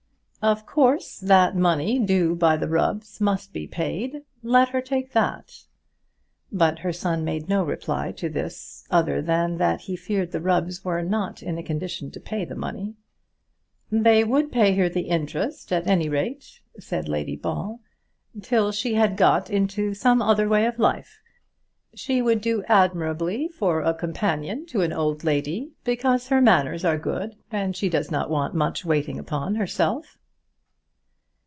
"Of course that money due by the Rubbs must be paid. Let her take that." But her son made no reply to this other than that he feared the Rubbs were not in a condition to pay the money. "They would pay her the interest at any rate," said Lady Ball, "till she had got into some other way of life. She would do admirably for a companion to an old lady, because her manners are good, and she does not want much waiting upon herself."